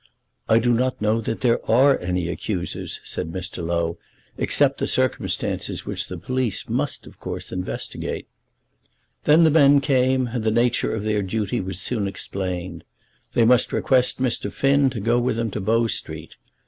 "I do not know that there are any accusers," said Mr. Low, "except the circumstances which the police must, of course, investigate." Then the men came, and the nature of their duty was soon explained. They must request Mr. Finn to go with them to Bow Street.